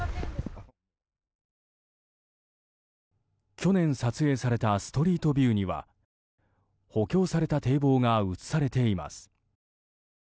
去年、撮影されたストリートビューには補強された堤防が映されています。